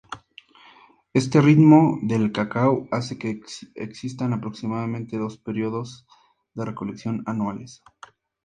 Este ritmo del cacao hace que existan aproximadamente dos periodos de recolección anuales.